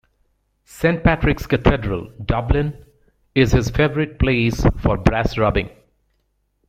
Saint Patrick's Cathedral, Dublin, is his favourite place for brass rubbing.